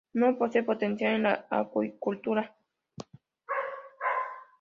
No posee potencial en acuicultura.